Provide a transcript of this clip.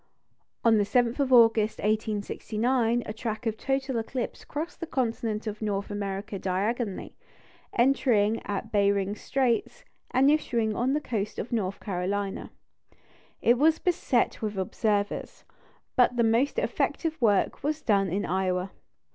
On the 7th of August, 1869, a track of total eclipse crossed the continent of North America diagonally, entering at Behring's Straits, and issuing on the coast of North Carolina. It was beset with observers; but the most effective work was done in Iowa.